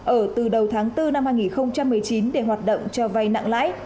ở từ đầu tháng bốn năm hai nghìn một mươi chín để hoạt động cho vay nặng lãi